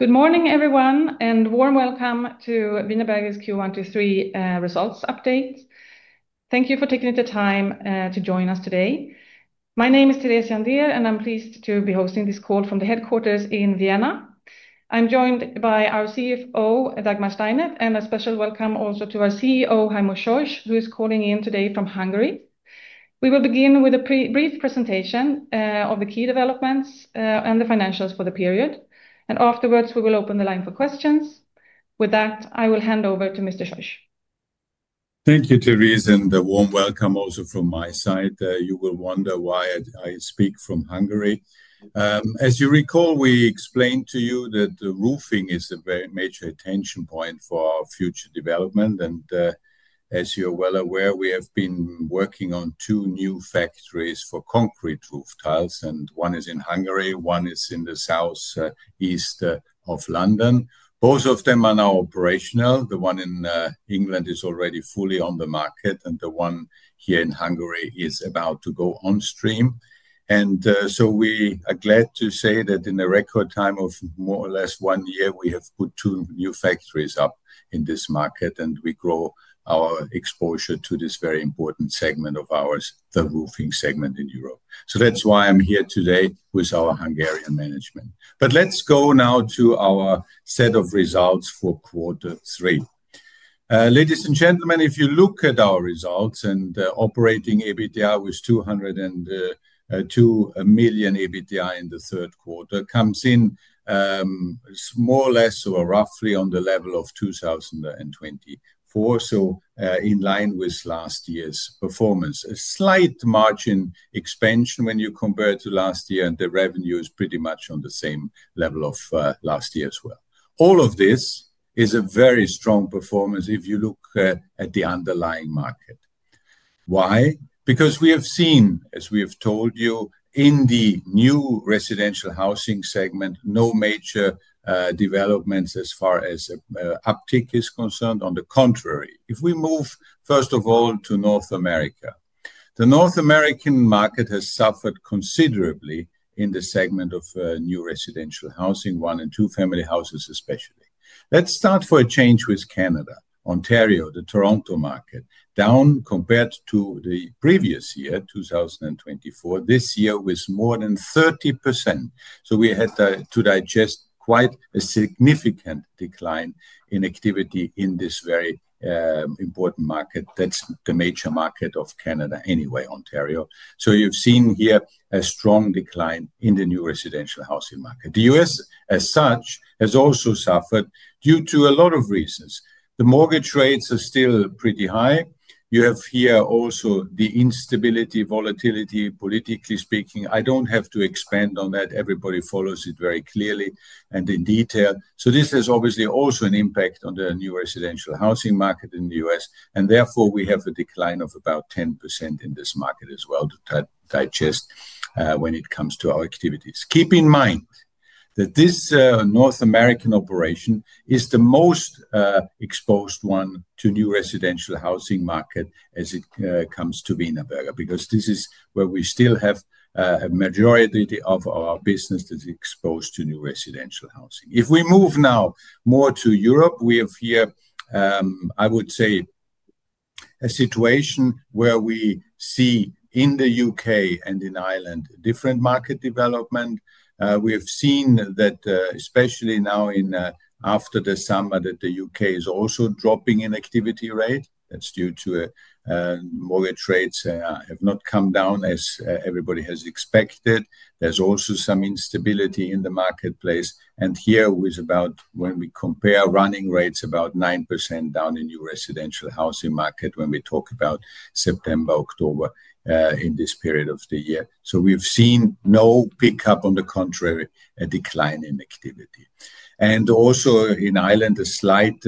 Good morning, everyone, and warm welcome to Wienerberger's Q1 2023 results update. Thank you for taking the time to join us today. My name is Therese Jandér, and I'm pleased to be hosting this call from the headquarters in Vienna. I'm joined by our CFO, Dagmar Steinert, and a special welcome also to our CEO, Heimo Scheuch, who is calling in today from Hungary. We will begin with a brief presentation of the key developments and the financials for the period, and afterwards we will open the line for questions. With that, I will hand over to Mr. Scheuch. Thank you, Therese, and a warm welcome also from my side. You will wonder why I speak from Hungary. As you recall, we explained to you that the roofing is a very major tension point for our future development, and as you're well aware, we have been working on two new factories for concrete roof tiles, and one is in Hungary, one is in the southeast of London. Both of them are now operational. The one in England is already fully on the market, and the one here in Hungary is about to go on stream. We are glad to say that in a record time of more or less one year, we have put two new factories up in this market, and we grow our exposure to this very important segment of ours, the roofing segment in Europe. That is why I'm here today with our Hungarian management. Let's go now to our set of results for quarter three. Ladies and gentlemen, if you look at our results, operating EBITDA was 202 million. EBITDA in the third quarter comes in more or less or roughly on the level of 2023, so in line with last year's performance. A slight margin expansion when you compare to last year, and the revenue is pretty much on the same level as last year as well. All of this is a very strong performance if you look at the underlying market. Why? Because we have seen, as we have told you, in the new residential housing segment, no major developments as far as uptake is concerned. On the contrary, if we move first of all to North America, the North American market has suffered considerably in the segment of new residential housing, one and two-family houses especially. Let's start for a change with Canada, Ontario, the Toronto market, down compared to the previous year, 2024. This year was more than 30%. So we had to digest quite a significant decline in activity in this very important market. That's the major market of Canada anyway, Ontario. You have seen here a strong decline in the new residential housing market. The U.S. as such has also suffered due to a lot of reasons. The mortgage rates are still pretty high. You have here also the instability, volatility, politically speaking. I don't have to expand on that. Everybody follows it very clearly and in detail. This has obviously also an impact on the new residential housing market in the US, and therefore we have a decline of about 10% in this market as well to digest when it comes to our activities. Keep in mind that this North American operation is the most exposed one to new residential housing market as it comes to Wienerberger, because this is where we still have a majority of our business that is exposed to new residential housing. If we move now more to Europe, we have here, I would say, a situation where we see in the U.K. and in Ireland different market development. We have seen that especially now after the summer that the U.K. is also dropping in activity rate. That is due to mortgage rates have not come down as everybody has expected. There is also some instability in the marketplace. Here with about when we compare running rates, about 9% down in new residential housing market when we talk about September, October in this period of the year. We have seen no pickup, on the contrary, a decline in activity. Also in Ireland, a slight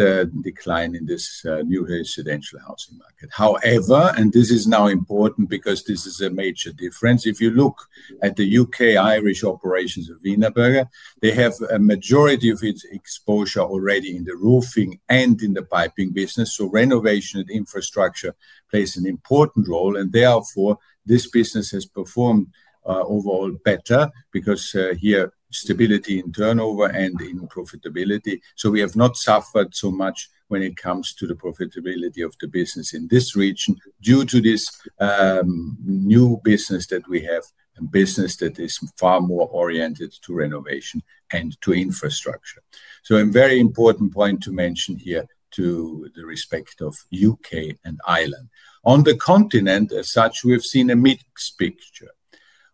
decline in this new residential housing market. However, and this is now important because this is a major difference. If you look at the U.K. Irish operations of Wienerberger, they have a majority of its exposure already in the roofing and in the piping business. Renovation and infrastructure plays an important role, and therefore this business has performed overall better because here stability in turnover and in profitability. We have not suffered so much when it comes to the profitability of the business in this region due to this new business that we have, a business that is far more oriented to renovation and to infrastructure. A very important point to mention here to the respect of the U.K. and Ireland. On the continent as such, we've seen a mixed picture.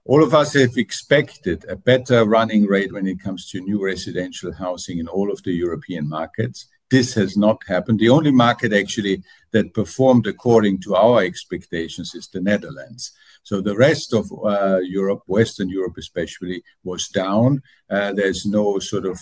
All of us have expected a better running rate when it comes to new residential housing in all of the European markets. This has not happened. The only market actually that performed according to our expectations is the Netherlands. The rest of Europe, Western Europe especially, was down. There's no sort of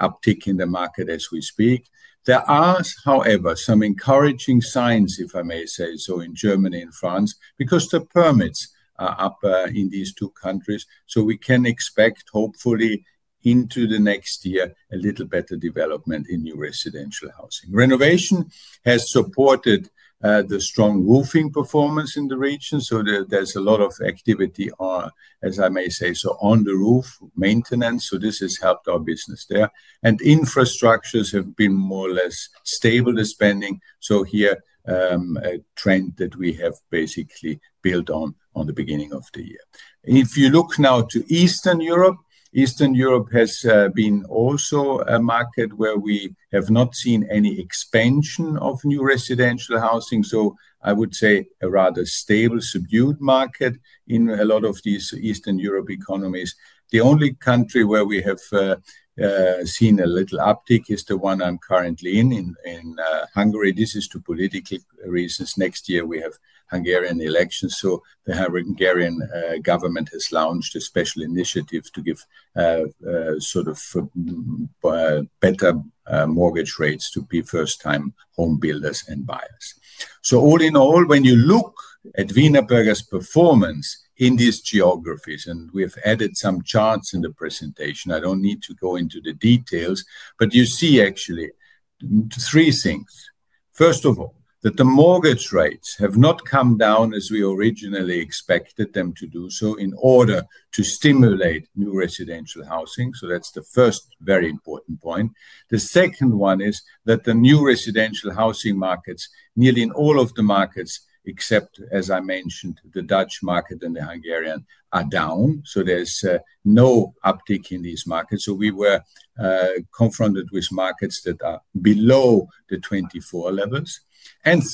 uptick in the market as we speak. There are, however, some encouraging signs, if I may say so, in Germany and France, because the permits are up in these two countries. We can expect, hopefully, into the next year, a little better development in new residential housing. Renovation has supported the strong roofing performance in the region. There is a lot of activity, as I may say, on the roof maintenance. This has helped our business there. Infrastructures have been more or less stable spending. Here, a trend that we have basically built on at the beginning of the year. If you look now to Eastern Europe, Eastern Europe has been also a market where we have not seen any expansion of new residential housing. I would say a rather stable, subdued market in a lot of these Eastern Europe economies. The only country where we have seen a little uptick is the one I am currently in, in Hungary. This is due to political reasons. Next year we have Hungarian elections. The Hungarian government has launched a special initiative to give sort of better mortgage rates to be first-time home builders and buyers. All in all, when you look at Wienerberger's performance in these geographies, and we have added some charts in the presentation, I do not need to go into the details, but you see actually three things. First of all, that the mortgage rates have not come down as we originally expected them to do so in order to stimulate new residential housing. That is the first very important point. The second one is that the new residential housing markets, nearly in all of the markets, except, as I mentioned, the Dutch market and the Hungarian, are down. There is no uptick in these markets. We were confronted with markets that are below the 2024 levels.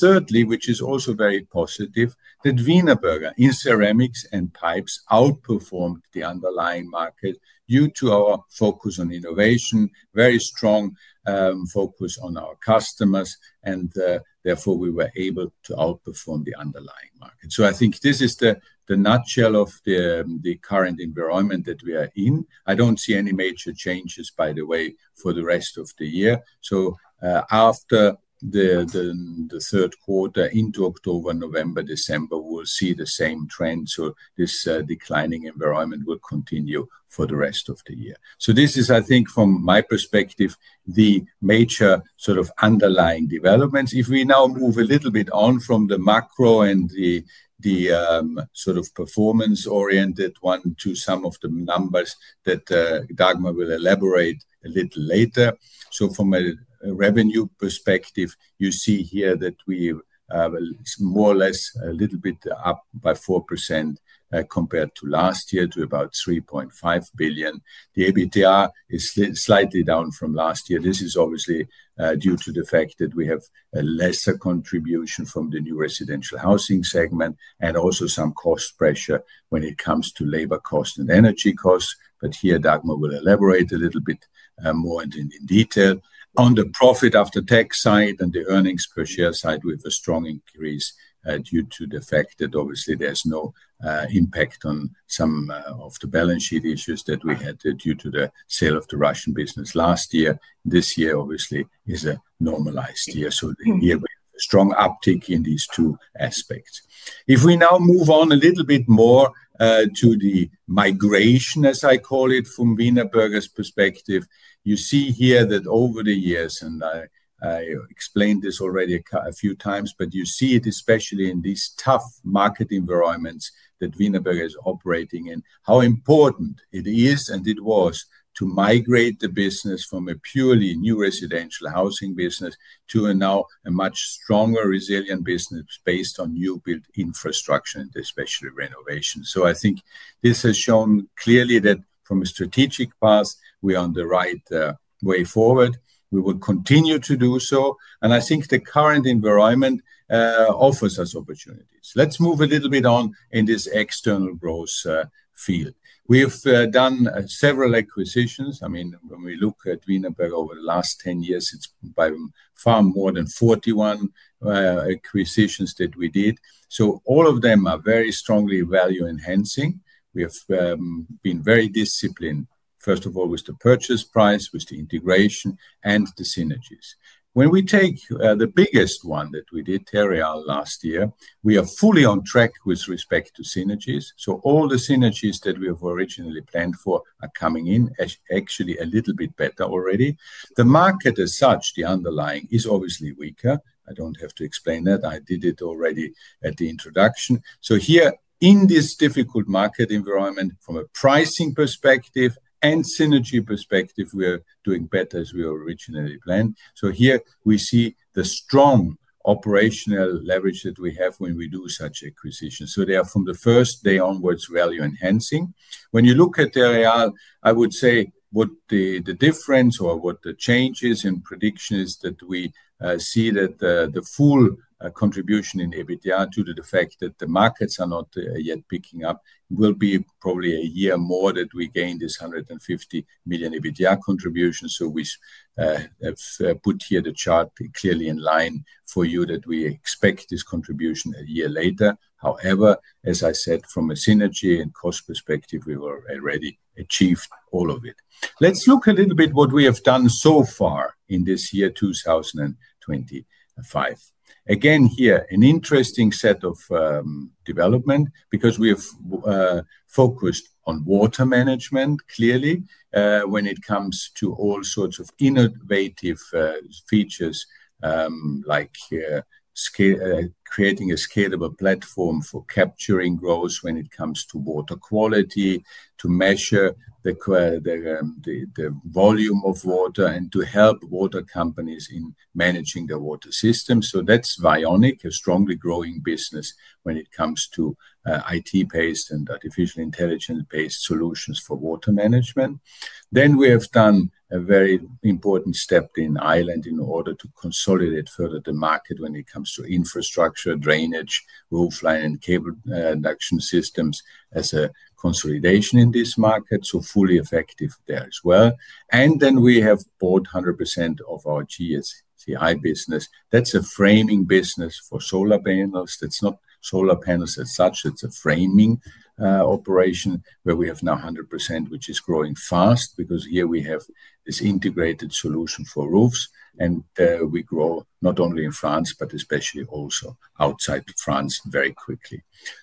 Thirdly, which is also very positive, Wienerberger in ceramics and pipes outperformed the underlying market due to our focus on innovation, very strong focus on our customers, and therefore we were able to outperform the underlying market. I think this is the nutshell of the current environment that we are in. I do not see any major changes, by the way, for the rest of the year. After the third quarter, into October, November, December, we will see the same trend. This declining environment will continue for the rest of the year. This is, I think, from my perspective, the major sort of underlying developments. If we now move a little bit on from the macro and the sort of performance-oriented one to some of the numbers that Dagmar will elaborate a little later. From a revenue perspective, you see here that we are more or less a little bit up by 4% compared to last year to about 3.5 billion. The EBITDA is slightly down from last year. This is obviously due to the fact that we have a lesser contribution from the new residential housing segment and also some cost pressure when it comes to labor costs and energy costs. Here, Dagmar will elaborate a little bit more in detail. On the profit after tax side and the earnings per share side, we have a strong increase due to the fact that obviously there is no impact on some of the balance sheet issues that we had due to the sale of the Russian business last year. This year obviously is a normalized year. Here we have a strong uptick in these two aspects. If we now move on a little bit more to the migration, as I call it, from Wienerberger's perspective, you see here that over the years, and I explained this already a few times, but you see it especially in these tough market environments that Wienerberger is operating in, how important it is and it was to migrate the business from a purely new residential housing business to now a much stronger, resilient business based on new-built infrastructure and especially renovation. I think this has shown clearly that from a strategic path, we are on the right way forward. We will continue to do so. I think the current environment offers us opportunities. Let's move a little bit on in this external growth field. We have done several acquisitions. I mean, when we look at Wienerberger over the last 10 years, it's by far more than 41 acquisitions that we did. All of them are very strongly value-enhancing. We have been very disciplined, first of all, with the purchase price, with the integration, and the synergies. When we take the biggest one that we did, Terreal, last year, we are fully on track with respect to synergies. All the synergies that we have originally planned for are coming in actually a little bit better already. The market as such, the underlying, is obviously weaker. I don't have to explain that. I did it already at the introduction. Here, in this difficult market environment, from a pricing perspective and synergy perspective, we are doing better as we originally planned. Here we see the strong operational leverage that we have when we do such acquisitions. They are from the first day onwards value-enhancing. When you look at Terreal, I would say what the difference or what the change is in prediction is that we see that the full contribution in EBITDA due to the fact that the markets are not yet picking up, will be probably a year more that we gain this 150 million EBITDA contribution. We have put here the chart clearly in line for you that we expect this contribution a year later. However, as I said, from a synergy and cost perspective, we have already achieved all of it. Let's look a little bit at what we have done so far in this year 2025. Again, here, an interesting set of development because we have focused on water management clearly when it comes to all sorts of innovative features like creating a scalable platform for capturing growth when it comes to water quality, to measure the volume of water, and to help water companies in managing their water systems. That is Wioniq, a strongly growing business when it comes to IT-based and artificial intelligence-based solutions for water management. We have done a very important step in Ireland in order to consolidate further the market when it comes to infrastructure, drainage, roofline, and cable induction systems as a consolidation in this market. Fully effective there as well. We have bought 100% of our GSCI business. That is a framing business for solar panels. That is not solar panels as such. It's a framing operation where we have now 100%, which is growing fast because here we have this integrated solution for roofs. We grow not only in France, but especially also outside France very quickly.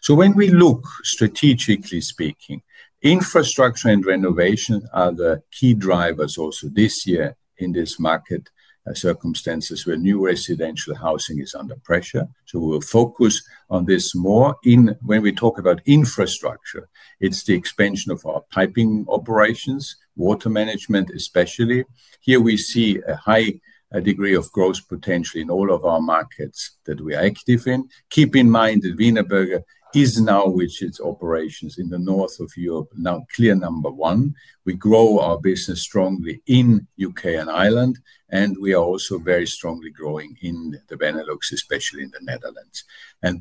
When we look, strategically speaking, infrastructure and renovation are the key drivers also this year in this market circumstances where new residential housing is under pressure. We will focus on this more. When we talk about infrastructure, it's the expansion of our piping operations, water management especially. Here we see a high degree of growth potentially in all of our markets that we are active in. Keep in mind that Wienerberger is now with its operations in the north of Europe, now clear number one. We grow our business strongly in the U.K. and Ireland, and we are also very strongly growing in the Benelux, especially in the Netherlands.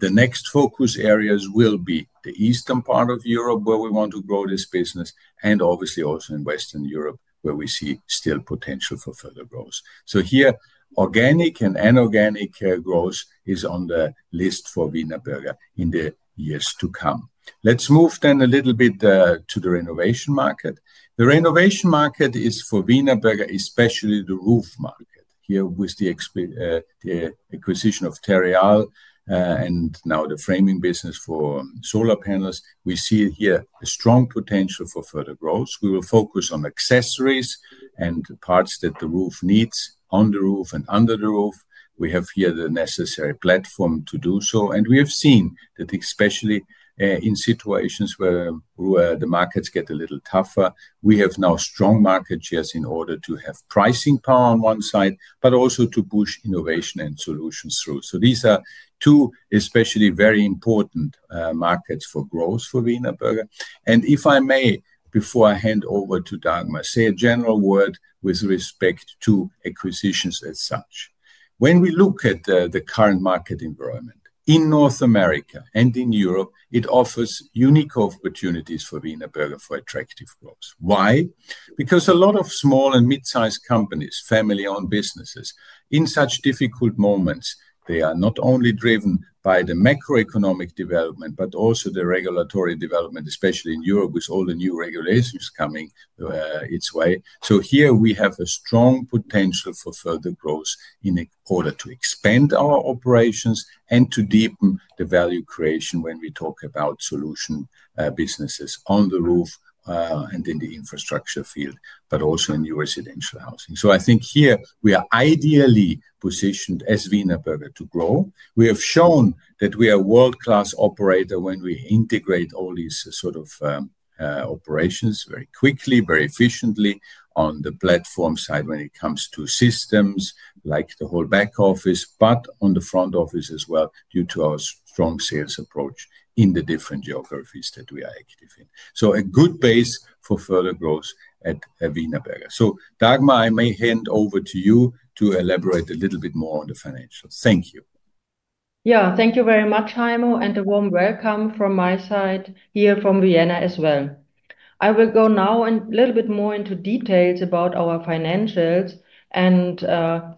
The next focus areas will be the eastern part of Europe where we want to grow this business, and obviously also in Western Europe where we see still potential for further growth. Here, organic and inorganic growth is on the list for Wienerberger in the years to come. Let's move then a little bit to the renovation market. The renovation market is for Wienerberger, especially the roof market. Here with the acquisition of Terreal and now the framing business for solar panels, we see here a strong potential for further growth. We will focus on accessories and parts that the roof needs on the roof and under the roof. We have here the necessary platform to do so. We have seen that especially in situations where the markets get a little tougher, we have now strong market shares in order to have pricing power on one side, but also to push innovation and solutions through. These are two especially very important markets for growth for Wienerberger. If I may, before I hand over to Dagmar, say a general word with respect to acquisitions as such. When we look at the current market environment in North America and in Europe, it offers unique opportunities for Wienerberger for attractive growth. Why? Because a lot of small and mid-sized companies, family-owned businesses, in such difficult moments, they are not only driven by the macroeconomic development, but also the regulatory development, especially in Europe with all the new regulations coming its way. Here we have a strong potential for further growth in order to expand our operations and to deepen the value creation when we talk about solution businesses on the roof and in the infrastructure field, but also in new residential housing. I think here we are ideally positioned as Wienerberger to grow. We have shown that we are a world-class operator when we integrate all these sort of operations very quickly, very efficiently on the platform side when it comes to systems like the whole back office, but on the front office as well due to our strong sales approach in the different geographies that we are active in. A good base for further growth at Wienerberger. Dagmar, I may hand over to you to elaborate a little bit more on the financials. Thank you. Yeah, thank you very much, Heimo, and a warm welcome from my side here from Vienna as well. I will go now a little bit more into details about our financials.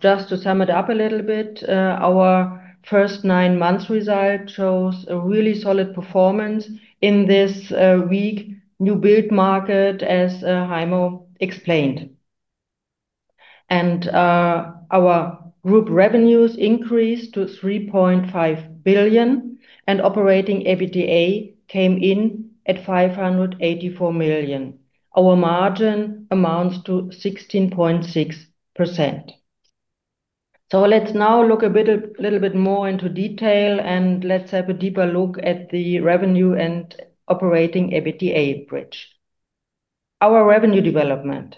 Just to sum it up a little bit, our first nine months result shows a really solid performance in this weak new-built market, as Heimo explained. Our group revenues increased to 3.5 billion, and operating EBITDA came in at 584 million. Our margin amounts to 16.6%. Let's now look a little bit more into detail, and let's have a deeper look at the revenue and operating EBITDA bridge. Our revenue development,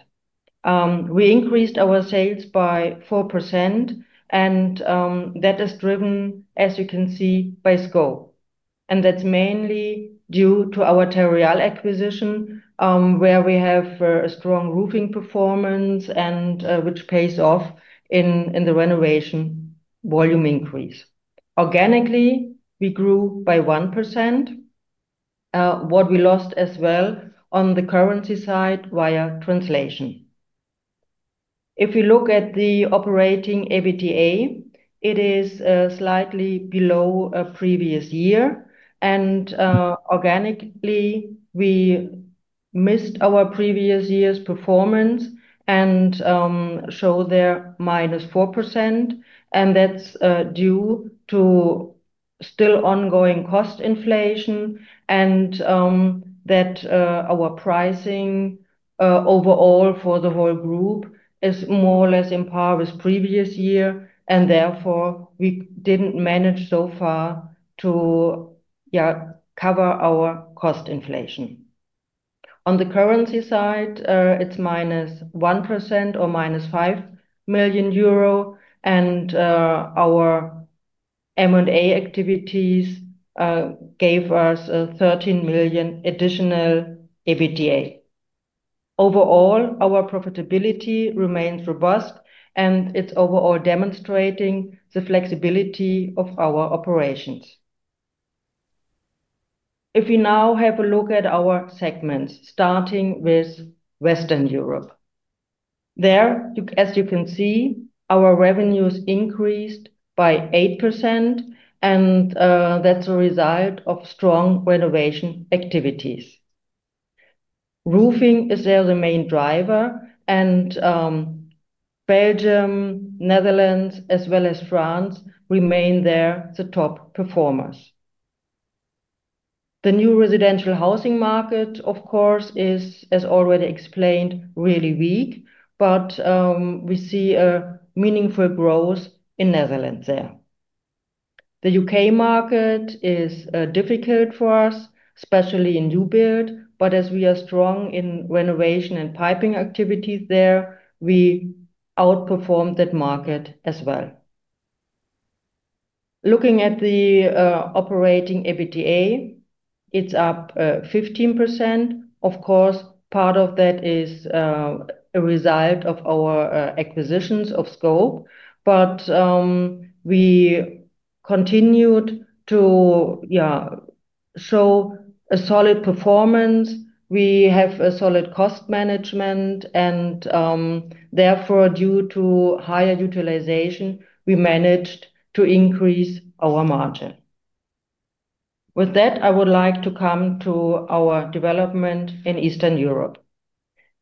we increased our sales by 4%, and that is driven, as you can see, by scope. That is mainly due to our Terreal acquisition, where we have a strong roofing performance, which pays off in the renovation volume increase. Organically, we grew by 1%. What we lost as well on the currency side via translation. If we look at the operating EBITDA, it is slightly below a previous year. Organically, we missed our previous year's performance and showed there -4%. That is due to still ongoing cost inflation and that our pricing overall for the whole group is more or less in par with previous year. Therefore, we did not manage so far to cover our cost inflation. On the currency side, it is -1% or 5 million euro. Our M&A activities gave us EUR 13 million additional EBITDA. Overall, our profitability remains robust, and it is overall demonstrating the flexibility of our operations. If we now have a look at our segments, starting with Western Europe, there, as you can see, our revenues increased by 8%, and that is a result of strong renovation activities. Roofing is there the main driver, and Belgium, Netherlands, as well as France remain there the top performers. The new residential housing market, of course, is, as already explained, really weak, but we see a meaningful growth in Netherlands there. The U.K. market is difficult for us, especially in new-built, but as we are strong in renovation and piping activities there, we outperform that market as well. Looking at the operating EBITDA, it's up 15%. Of course, part of that is a result of our acquisitions of scope, but we continued to show a solid performance. We have a solid cost management, and therefore, due to higher utilization, we managed to increase our margin. With that, I would like to come to our development in Eastern Europe.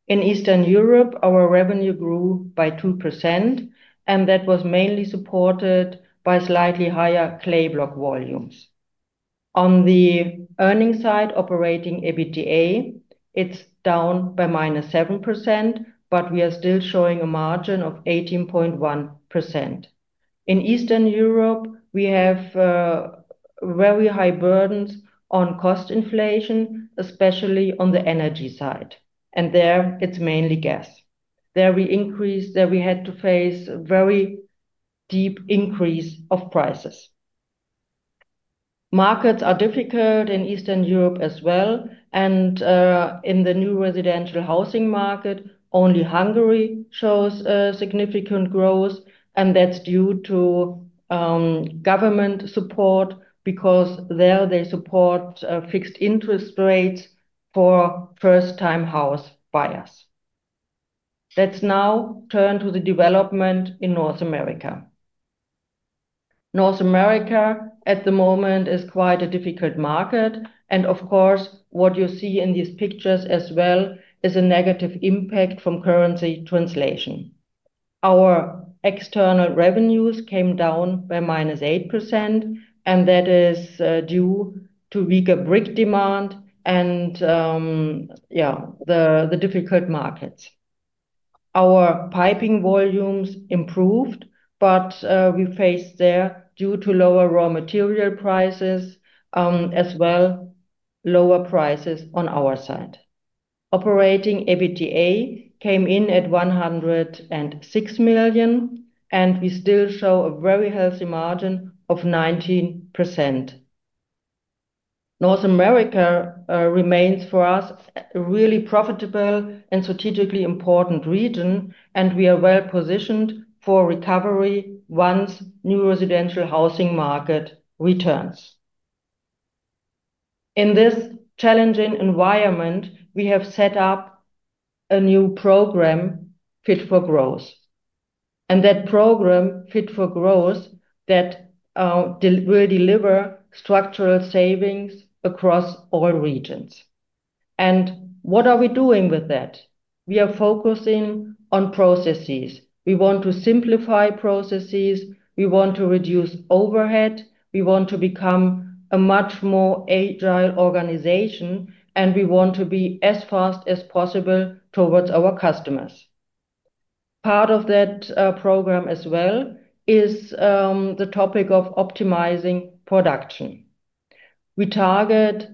In Eastern Europe, our revenue grew by 2%, and that was mainly supported by slightly higher clay block volumes. On the earnings side, operating EBITDA, it's down by -7%, but we are still showing a margin of 18.1%. In Eastern Europe, we have very high burdens on cost inflation, especially on the energy side. There, it's mainly gas. There we increased; there we had to face a very deep increase of prices. Markets are difficult in Eastern Europe as well. In the new residential housing market, only Hungary shows significant growth, and that's due to government support because there they support fixed interest rates for first-time house buyers. Let's now turn to the development in North America. North America at the moment is quite a difficult market. Of course, what you see in these pictures as well is a negative impact from currency translation. Our external revenues came down by -8%, and that is due to weaker brick demand and, yeah, the difficult markets. Our piping volumes improved, but we faced there due to lower raw material prices as well, lower prices on our side. Operating EBITDA came in at 106 million, and we still show a very healthy margin of 19%. North America remains for us a really profitable and strategically important region, and we are well positioned for recovery once new residential housing market returns. In this challenging environment, we have set up a new program, Fit for Growth. That program, Fit for Growth, will deliver structural savings across all regions. What are we doing with that? We are focusing on processes. We want to simplify processes. We want to reduce overhead. We want to become a much more agile organization, and we want to be as fast as possible towards our customers. Part of that program as well is the topic of optimizing production. We target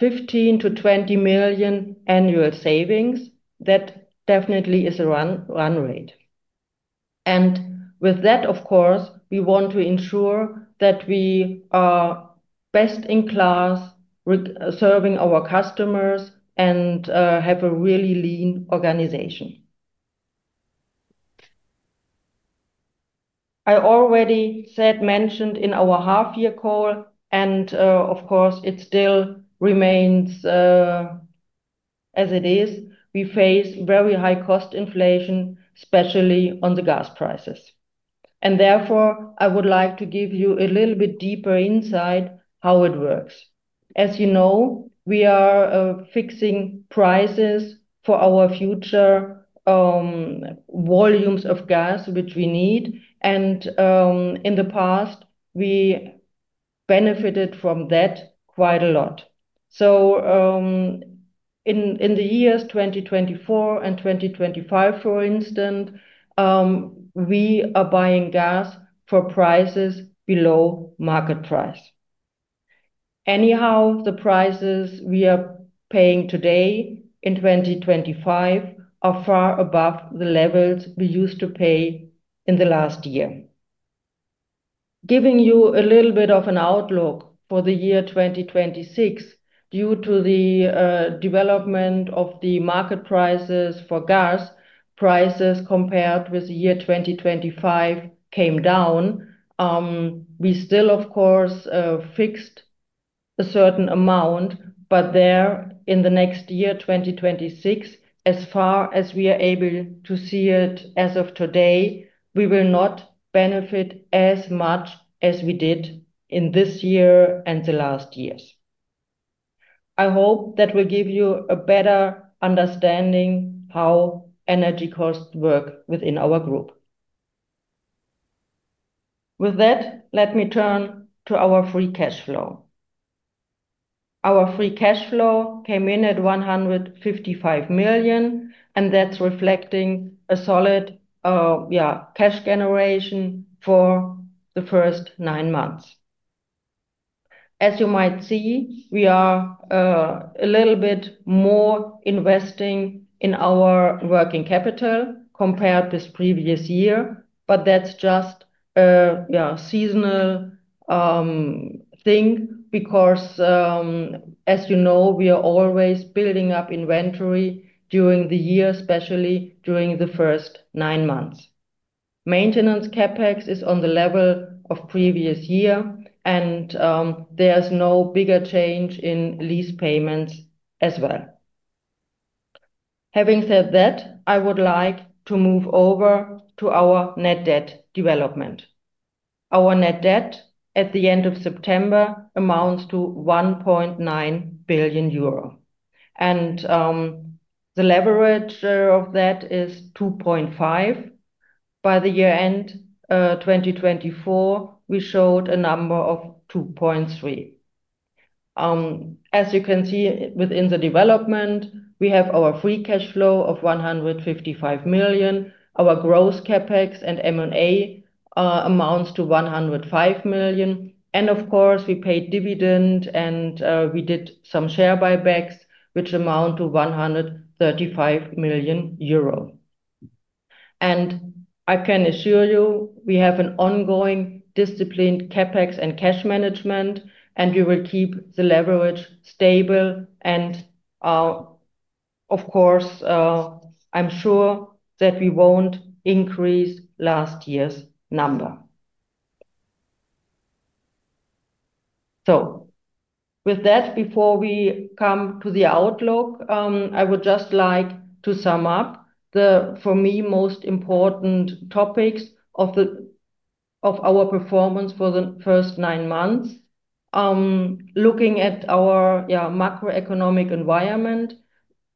15 million-20 million annual savings. That definitely is a run rate. With that, of course, we want to ensure that we are best in class, serving our customers, and have a really lean organization. I already said, mentioned in our half-year call, and of course, it still remains as it is. We face very high cost inflation, especially on the gas prices. Therefore, I would like to give you a little bit deeper insight how it works. As you know, we are fixing prices for our future volumes of gas, which we need. In the past, we benefited from that quite a lot. In the years 2024 and 2025, for instance, we are buying gas for prices below market price. Anyhow, the prices we are paying today in 2025 are far above the levels we used to pay in the last year. Giving you a little bit of an outlook for the year 2026, due to the development of the market prices for gas, prices compared with the year 2025 came down. We still, of course, fixed a certain amount, but there in the next year, 2026, as far as we are able to see it as of today, we will not benefit as much as we did in this year and the last years. I hope that will give you a better understanding of how energy costs work within our group. With that, let me turn to our free cash flow. Our free cash flow came in at 155 million, and that is reflecting a solid, yeah, cash generation for the first nine months. As you might see, we are a little bit more investing in our working capital compared to this previous year, but that's just a seasonal thing because, as you know, we are always building up inventory during the year, especially during the first nine months. Maintenance CapEx is on the level of previous year, and there's no bigger change in lease payments as well. Having said that, I would like to move over to our net debt development. Our net debt at the end of September amounts to 1.9 billion euro. The leverage of that is 2.5. By the year end, 2024, we showed a number of 2.3. As you can see within the development, we have our free cash flow of 155 million. Our gross CapEx and M&A amounts to 105 million. Of course, we paid dividend, and we did some share buybacks, which amount to 135 million euro. I can assure you, we have an ongoing disciplined CapEx and cash management, and we will keep the leverage stable. I'm sure that we won't increase last year's number. With that, before we come to the outlook, I would just like to sum up the, for me, most important topics of our performance for the first nine months. Looking at our macroeconomic environment,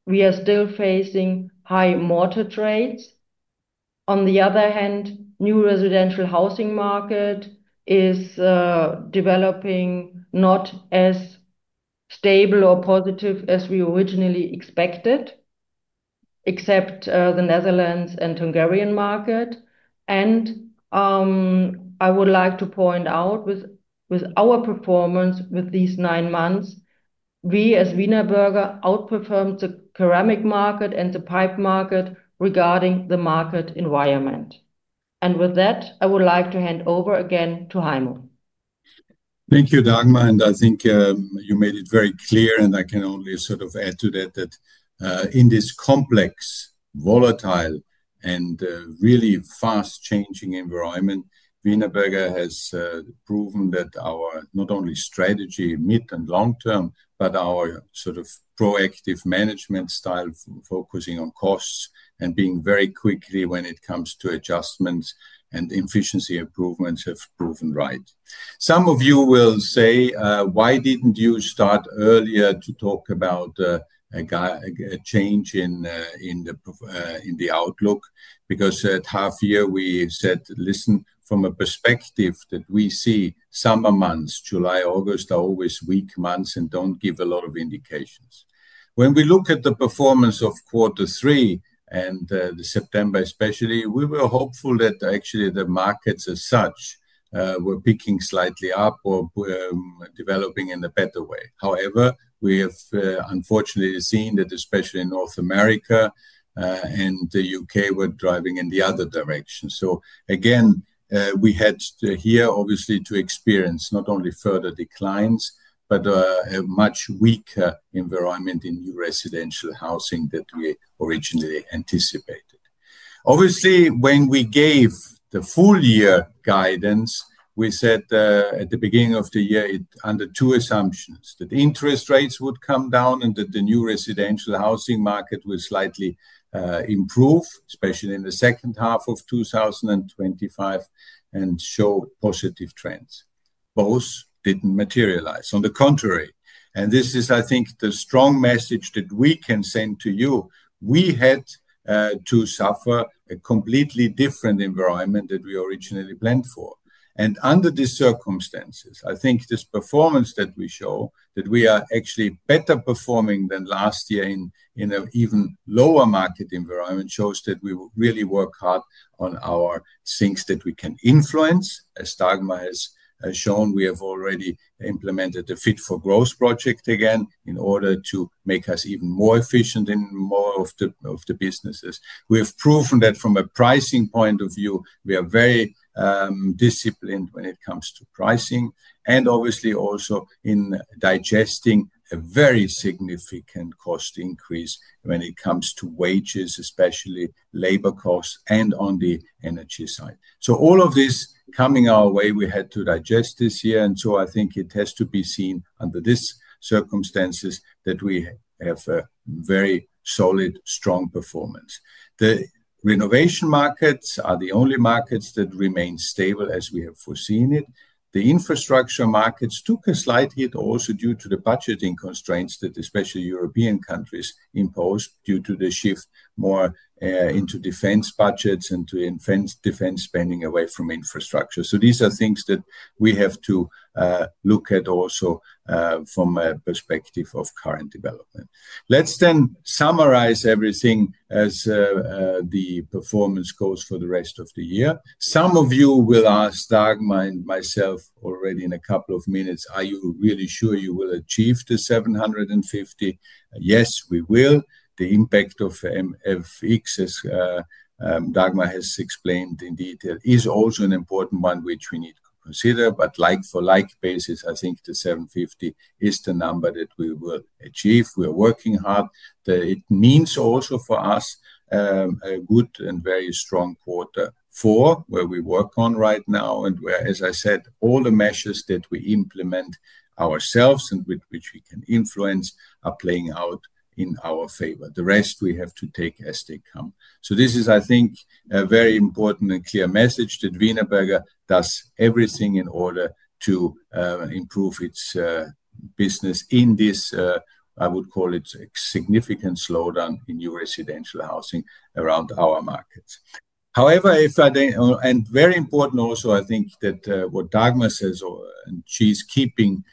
we are still facing high mortgage rates. On the other hand, new residential housing market is developing not as stable or positive as we originally expected, except the Netherlands and Hungarian market. I would like to point out with our performance with these nine months, we as Wienerberger outperformed the ceramic market and the pipe market regarding the market environment. With that, I would like to hand over again to Heimo. Thank you, Dagmar. I think you made it very clear, and I can only sort of add to that that in this complex, volatile, and really fast-changing environment, Wienerberger has proven that our not only strategy, mid and long term, but our sort of proactive management style, focusing on costs and being very quick when it comes to adjustments and efficiency improvements have proven right. Some of you will say, "Why didn't you start earlier to talk about a change in the outlook?" Because at half-year, we said, "Listen, from a perspective that we see summer months, July, August are always weak months and don't give a lot of indications." When we look at the performance of quarter three and the September, especially, we were hopeful that actually the markets as such were picking slightly up or developing in a better way. However, we have unfortunately seen that especially in North America and the U.K. were driving in the other direction. Again, we had here, obviously, to experience not only further declines, but a much weaker environment in new residential housing than we originally anticipated. Obviously, when we gave the full-year guidance, we said at the beginning of the year under two assumptions, that interest rates would come down and that the new residential housing market will slightly improve, especially in the second half of 2025, and show positive trends. Those did not materialize. On the contrary, I think the strong message that we can send to you is we had to suffer a completely different environment than we originally planned for. Under these circumstances, I think this performance that we show, that we are actually better performing than last year in an even lower market environment, shows that we really work hard on our things that we can influence. As Dagmar has shown, we have already implemented the Fit for Growth project again in order to make us even more efficient in more of the businesses. We have proven that from a pricing point of view, we are very disciplined when it comes to pricing, and obviously also in digesting a very significant cost increase when it comes to wages, especially labor costs and on the energy side. All of this coming our way, we had to digest this year. I think it has to be seen under these circumstances that we have a very solid, strong performance. The renovation markets are the only markets that remain stable as we have foreseen it. The infrastructure markets took a slight hit also due to the budgeting constraints that especially European countries imposed due to the shift more into defense budgets and to defense spending away from infrastructure. These are things that we have to look at also from a perspective of current development. Let's then summarize everything as the performance goes for the rest of the year. Some of you will ask Dagmar and myself already in a couple of minutes, "Are you really sure you will achieve the 750?" Yes, we will. The impact of FX, as Dagmar has explained in detail, is also an important one which we need to consider. Like-for-like basis, I think the 750 is the number that we will achieve. We are working hard. It means also for us a good and very strong quarter four, where we work on right now, and where, as I said, all the measures that we implement ourselves and which we can influence are playing out in our favor. The rest we have to take as they come. This is, I think, a very important and clear message that Wienerberger does everything in order to improve its business in this, I would call it, significant slowdown in new residential housing around our markets. However, if I think, and very important also, I think that what Dagmar says, and she's keeping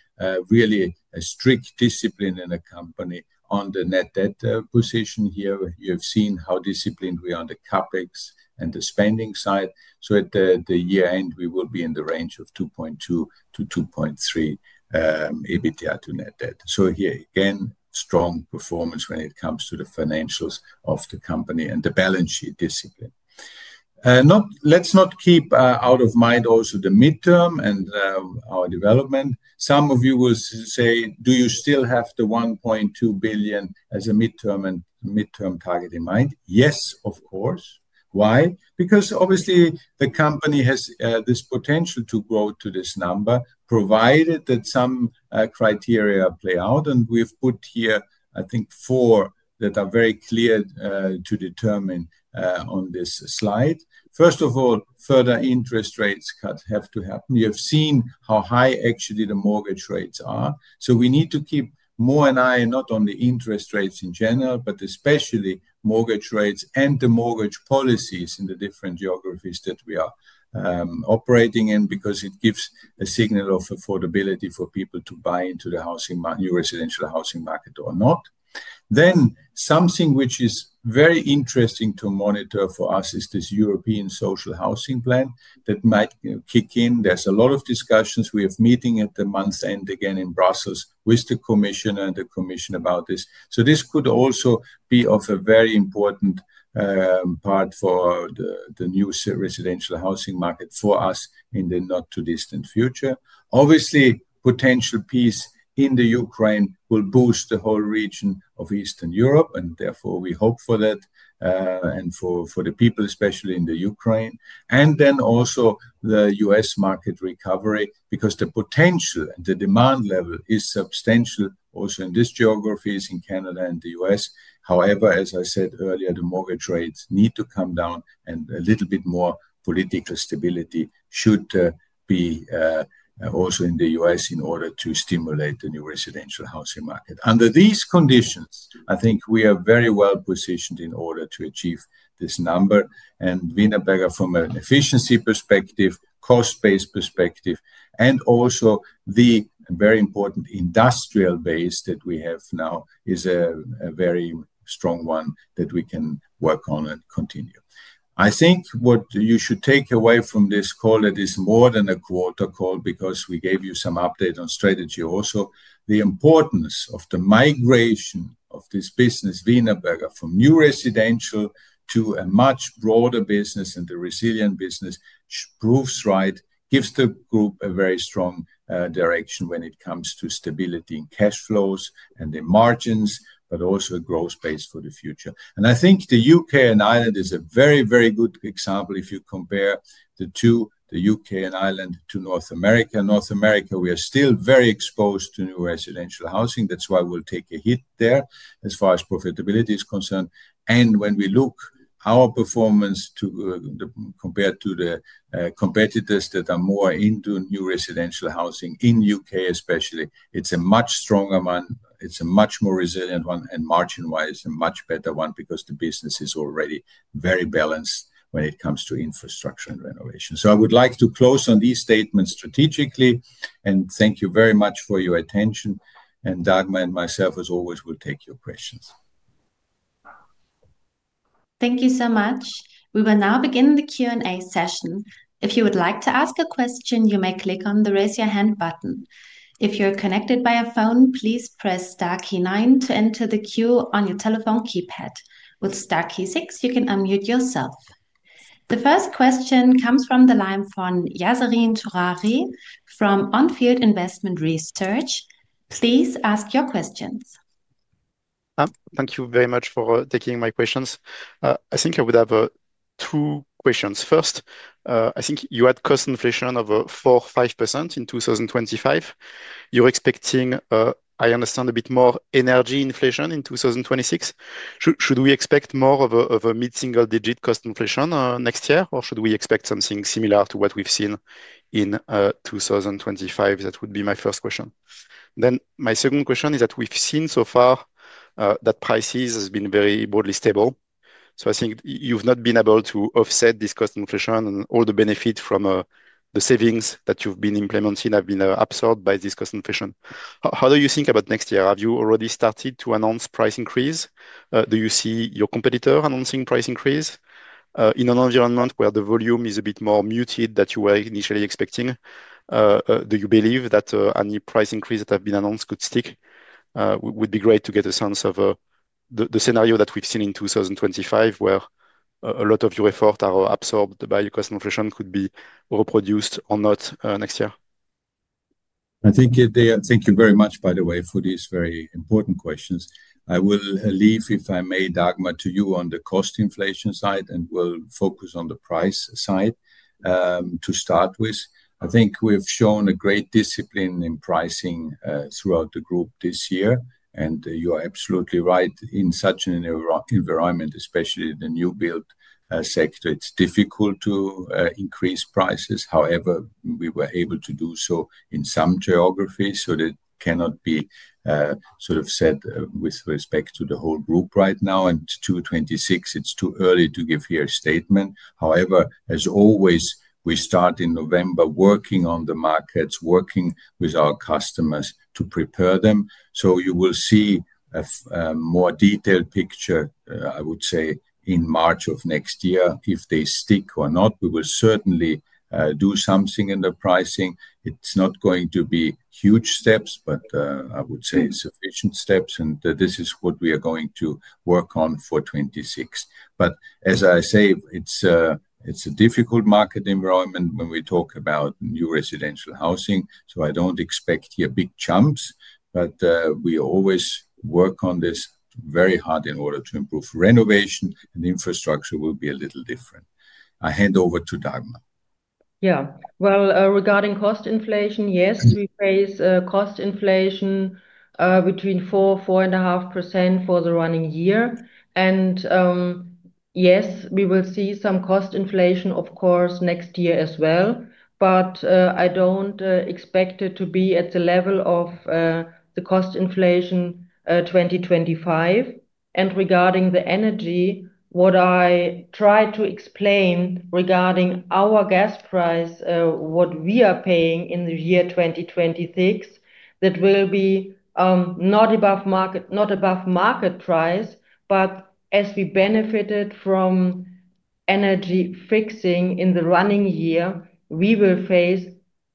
really a strict discipline in the company on the net debt position here. You have seen how disciplined we are on the CapEx and the spending side. At the year end, we will be in the range of 2.2-2.3 EBITDA to net debt. Here, again, strong performance when it comes to the financials of the company and the balance sheet discipline. Let's not keep out of mind also the midterm and our development. Some of you will say, "Do you still have the 1.2 billion as a midterm target in mind?" Yes, of course. Why? Because obviously the company has this potential to grow to this number, provided that some criteria play out. We have put here, I think, four that are very clear to determine on this slide. First of all, further interest rates have to happen. You have seen how high actually the mortgage rates are. We need to keep more an eye not on the interest rates in general, but especially mortgage rates and the mortgage policies in the different geographies that we are operating in, because it gives a signal of affordability for people to buy into the new residential housing market or not. Then something which is very interesting to monitor for us is this European Social Housing Plan that might kick in. There's a lot of discussions. We have a meeting at the month's end again in Brussels with the commission and the commission about this. This could also be a very important part for the new residential housing market for us in the not-too-distant future. Obviously, potential peace in Ukraine will boost the whole region of Eastern Europe, and therefore we hope for that and for the people, especially in Ukraine. Also, the U.S. market recovery, because the potential and the demand level is substantial also in these geographies, in Canada and the U.S. However, as I said earlier, the mortgage rates need to come down, and a little bit more political stability should be also in the U.S. in order to stimulate the new residential housing market. Under these conditions, I think we are very well positioned in order to achieve this number. Wienerberger, from an efficiency perspective, cost-based perspective, and also the very important industrial base that we have now, is a very strong one that we can work on and continue. I think what you should take away from this call, it is more than a quarter call, because we gave you some update on strategy also. The importance of the migration of this business, Wienerberger, from new residential to a much broader business and the resilient business proves right, gives the group a very strong direction when it comes to stability in cash flows and the margins, but also a growth base for the future. I think the U.K. and Ireland is a very, very good example if you compare the two, the U.K. and Ireland, to North America. North America, we are still very exposed to new residential housing. That's why we'll take a hit there as far as profitability is concerned. When we look at our performance compared to the competitors that are more into new residential housing in the U.K., especially, it's a much stronger one. It's a much more resilient one, and margin-wise, it's a much better one because the business is already very balanced when it comes to infrastructure and renovation. I would like to close on these statements strategically, and thank you very much for your attention. Dagmar and myself, as always, will take your questions. Thank you so much. We will now begin the Q&A session. If you would like to ask a question, you may click on the raise your hand button. If you're connected by a phone, please press star key 9 to enter the queue on your telephone keypad. With star key six, you can unmute yourself. The first question comes from the line from Yassine Touahri from On Field Investment Research. Please ask your questions. Thank you very much for taking my questions. I think I would have two questions. First, I think you had cost inflation of 4%-5% in 2025. You're expecting, I understand, a bit more energy inflation in 2026. Should we expect more of a mid-single-digit cost inflation next year, or should we expect something similar to what we've seen in 2025? That would be my first question. My second question is that we've seen so far that prices have been very broadly stable. I think you've not been able to offset this cost inflation, and all the benefits from the savings that you've been implementing have been absorbed by this cost inflation. How do you think about next year? Have you already started to announce price increase? Do you see your competitor announcing price increase in an environment where the volume is a bit more muted than you were initially expecting? Do you believe that any price increase that has been announced could stick? It would be great to get a sense of the scenario that we've seen in 2025, where a lot of your efforts are absorbed by your cost inflation, could be reproduced or not next year. I thank you very much, by the way, for these very important questions. I will leave, if I may, Dagmar, to you on the cost inflation side, and we'll focus on the price side to start with. I think we've shown a great discipline in pricing throughout the group this year. You are absolutely right. In such an environment, especially the new-built sector, it's difficult to increase prices. However, we were able to do so in some geographies, so it cannot be sort of said with respect to the whole group right now. To 2026, it is too early to give here a statement. However, as always, we start in November working on the markets, working with our customers to prepare them. You will see a more detailed picture, I would say, in March of next year if they stick or not. We will certainly do something in the pricing. It is not going to be huge steps, but I would say sufficient steps. This is what we are going to work on for 2026. As I say, it is a difficult market environment when we talk about new residential housing. I do not expect here big jumps, but we always work on this very hard in order to improve renovation, and infrastructure will be a little different. I hand over to Dagmar. Yeah. Regarding cost inflation, yes, we face cost inflation between 4%-4.5% for the running year. Yes, we will see some cost inflation, of course, next year as well. I do not expect it to be at the level of the cost inflation 2025. Regarding the energy, what I tried to explain regarding our gas price, what we are paying in the year 2026, that will not be above market price, but as we benefited from energy fixing in the running year, we will face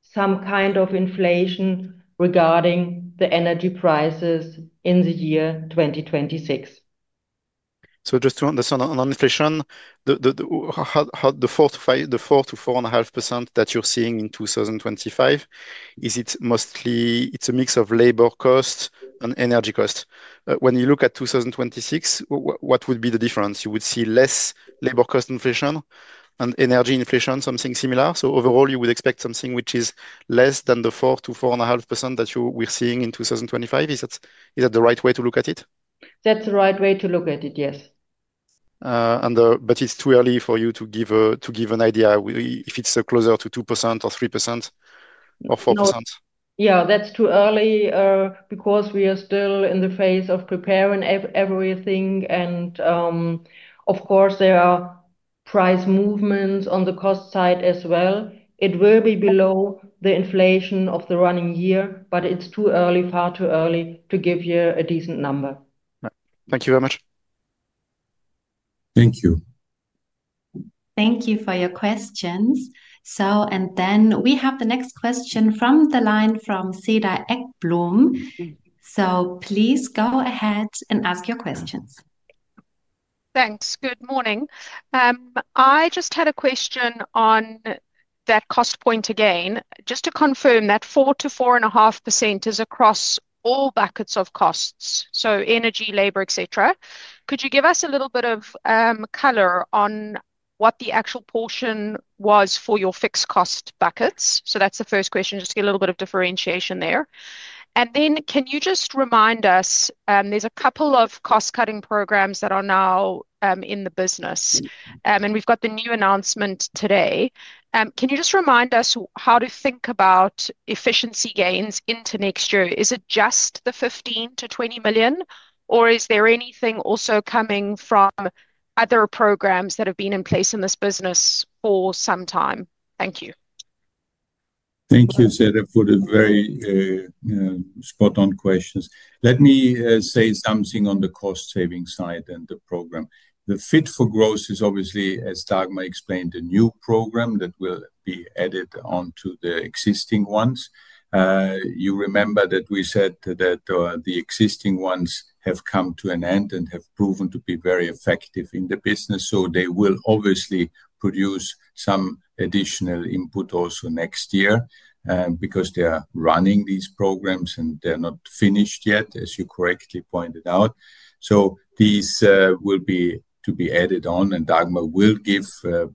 some kind of inflation regarding the energy prices in the year 2026. Just on inflation, the 4%-4.5% that you're seeing in 2025, is it mostly a mix of labor costs and energy costs? When you look at 2026, what would be the difference? You would see less labor cost inflation and energy inflation, something similar. Overall, you would expect something which is less than the 4%-4.5% that we're seeing in 2025. Is that the right way to look at it? That's the right way to look at it, yes. It's too early for you to give an idea if it's closer to 2% or 3% or 4%. Yeah, that's too early because we are still in the phase of preparing everything. Of course, there are price movements on the cost side as well. It will be below the inflation of the running year, but it's too early, far too early to give you a decent number. Thank you very much. Thank you. Thank you for your questions. We have the next question from the line from Cedar Ekblom. Please go ahead and ask your questions. Thanks. Good morning. I just had a question on that cost point again. Just to confirm that 4-4.5% is across all buckets of costs, so energy, labor, etc. Could you give us a little bit of color on what the actual portion was for your fixed cost buckets? That is the first question. Just to get a little bit of differentiation there. Can you just remind us, there are a couple of cost-cutting programs that are now in the business, and we have the new announcement today. Can you just remind us how to think about efficiency gains into next year? Is it just the 15 million-20 million, or is there anything also coming from other programs that have been in place in this business for some time? Thank you. Thank you, Cedar, for the very spot-on questions. Let me say something on the cost-saving side and the program. The Fit for Growth is obviously, as Dagmar explained, a new program that will be added onto the existing ones. You remember that we said that the existing ones have come to an end and have proven to be very effective in the business. They will obviously produce some additional input also next year because they are running these programs and they're not finished yet, as you correctly pointed out. These will be to be added on, and Dagmar will give,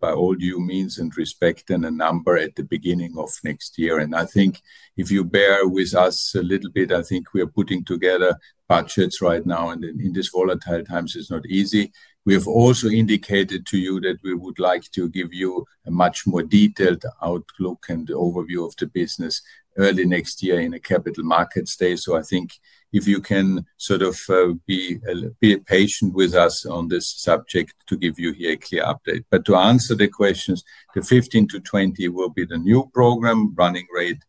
by all due means and respect, a number at the beginning of next year. I think if you bear with us a little bit, I think we are putting together budgets right now, and in these volatile times, it's not easy. We have also indicated to you that we would like to give you a much more detailed outlook and overview of the business early next year in a capital markets day. I think if you can sort of be patient with us on this subject to give you here a clear update. To answer the questions, the 15-20 will be the new program running rate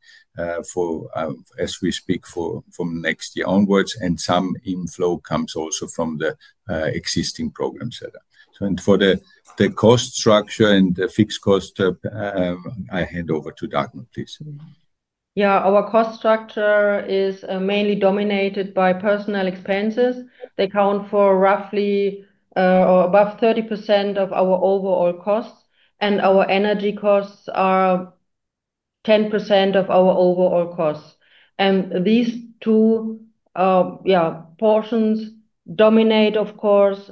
as we speak from next year onwards, and some inflow comes also from the existing program setup. For the cost structure and the fixed cost, I hand over to Dagmar, please. Yeah, our cost structure is mainly dominated by personal expenses. They account for roughly above 30% of our overall costs, and our energy costs are 10% of our overall costs. These two, yeah, portions dominate, of course,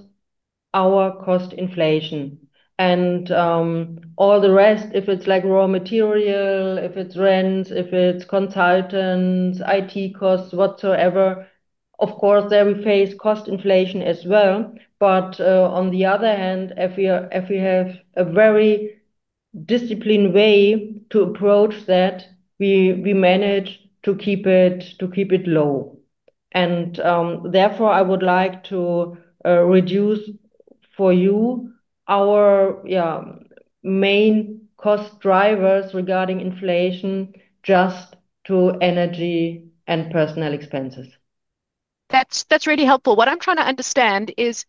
our cost inflation. All the rest, if it is like raw material, if it is rent, if it is consultants, IT costs, whatsoever, of course, there we face cost inflation as well. On the other hand, if we have a very disciplined way to approach that, we manage to keep it low. Therefore, I would like to reduce for you our main cost drivers regarding inflation just to energy and personnel expenses. That is really helpful. What I am trying to understand is,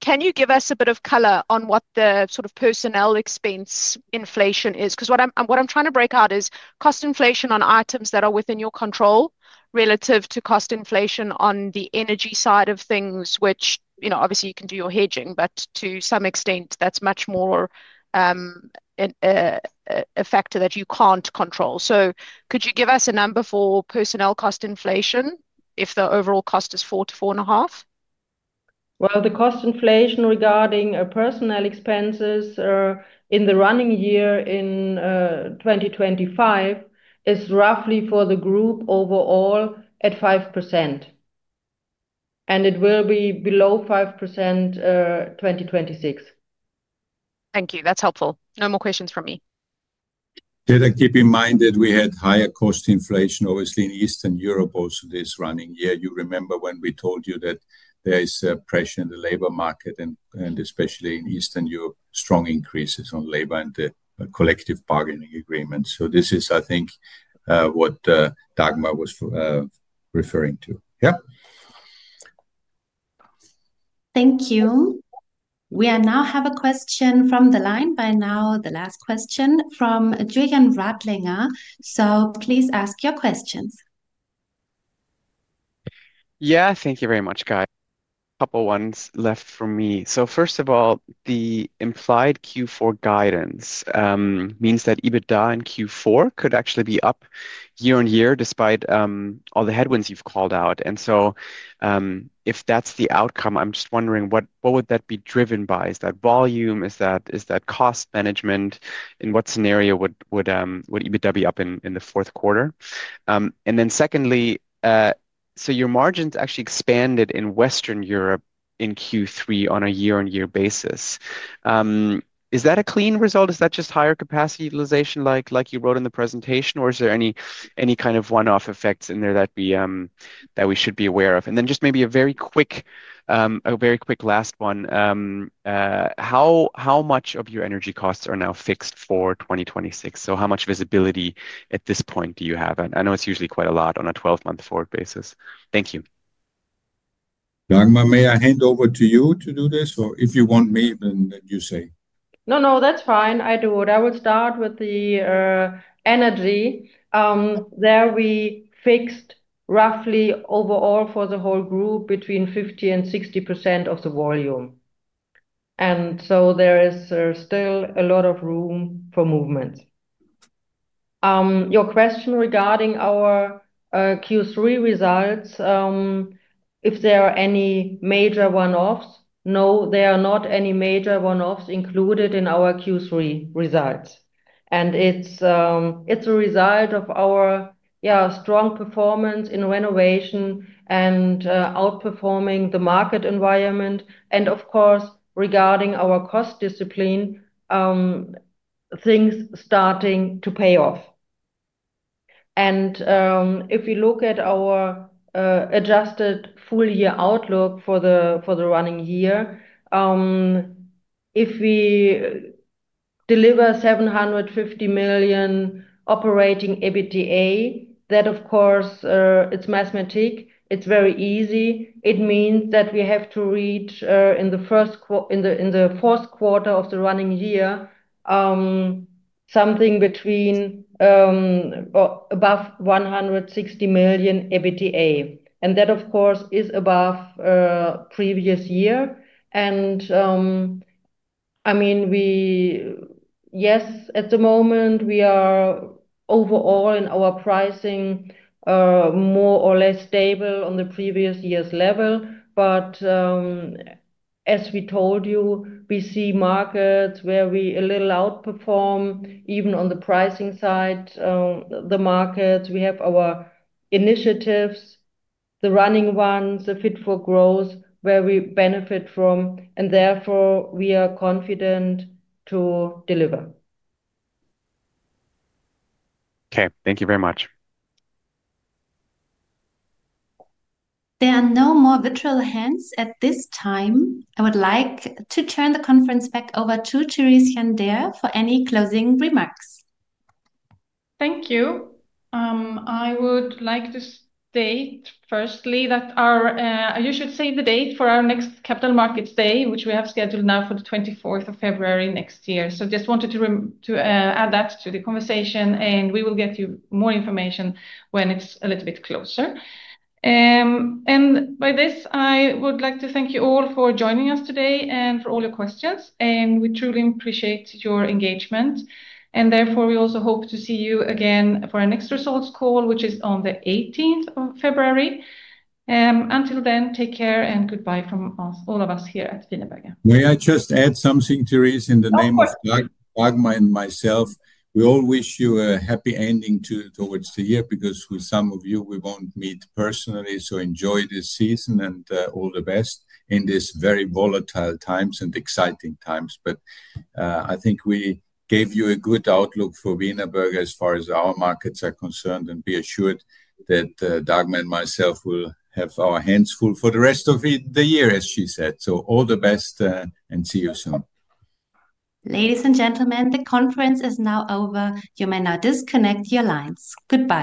can you give us a bit of color on what the sort of personnel expense inflation is? Because what I'm trying to break out is cost inflation on items that are within your control relative to cost inflation on the energy side of things, which obviously you can do your hedging, but to some extent, that's much more a factor that you can't control. Could you give us a number for personnel cost inflation if the overall cost is 4%-4.5%? The cost inflation regarding personnel expenses in the running year in 2025 is roughly for the group overall at 5%. It will be below 5% in 2026. Thank you. That's helpful. No more questions from me. Cedar, keep in mind that we had higher cost inflation, obviously, in Eastern Europe also this running year. You remember when we told you that there is pressure in the labor market and especially in Eastern Europe, strong increases on labor and the collective bargaining agreement. This is, I think, what Dagmar was referring to. Yeah. Thank you. We now have a question from the line by now, the last question from Julian Radlinger. Please ask your questions. Yeah, thank you very much, guys. A couple of ones left for me. First of all, the implied Q4 guidance means that EBITDA in Q4 could actually be up year on year despite all the headwinds you have called out. If that is the outcome, I am just wondering what would that be driven by? Is that volume? Is that cost management? In what scenario would EBITDA be up in the fourth quarter? Secondly, your margins actually expanded in Western Europe in Q3 on a year-on-year basis. Is that a clean result? Is that just higher capacity utilization like you wrote in the presentation, or is there any kind of one-off effects in there that we should be aware of? Maybe a very quick last one. How much of your energy costs are now fixed for 2026? How much visibility at this point do you have? I know it is usually quite a lot on a 12-month forward basis. Thank you. Dagmar, may I hand over to you to do this? Or if you want me, then you say. No, no, that is fine. I do it. I will start with the energy. There we fixed roughly overall for the whole group between 50%-60% of the volume. There is still a lot of room for movement. Your question regarding our Q3 results, if there are any major one-offs? No, there are not any major one-offs included in our Q3 results. It is a result of our, yeah, strong performance in renovation and outperforming the market environment. Of course, regarding our cost discipline, things are starting to pay off. If we look at our adjusted full-year outlook for the running year, if we deliver 750 million operating EBITDA, that, of course, it is mathematic. It is very easy. It means that we have to reach in the fourth quarter of the running year something above 160 million EBITDA. That, of course, is above previous year. I mean, yes, at the moment, we are overall in our pricing more or less stable on the previous year's level. As we told you, we see markets where we a little outperform even on the pricing side. The markets, we have our initiatives, the running ones, the Fit for Growth where we benefit from, and therefore we are confident to deliver. Okay. Thank you very much. There are no more virtual hands at this time. I would like to turn the conference back over to Therese Jandér for any closing remarks. Thank you. I would like to state firstly that you should save the date for our next Capital Markets Day, which we have scheduled now for the 24th of February next year. Just wanted to add that to the conversation, and we will get you more information when it is a little bit closer. By this, I would like to thank you all for joining us today and for all your questions. We truly appreciate your engagement. Therefore, we also hope to see you again for our next results call, which is on the 18th of February. Until then, take care and goodbye from all of us here at Wienerberger. May I just add something, Therese, in the name of Dagmar and myself? We all wish you a happy ending towards the year because with some of you, we won't meet personally. Enjoy this season and all the best in these very volatile times and exciting times. I think we gave you a good outlook for Wienerberger as far as our markets are concerned and be assured that Dagmar and myself will have our hands full for the rest of the year, as she said. All the best and see you soon. Ladies and gentlemen, the conference is now over. You may now disconnect your lines. Goodbye.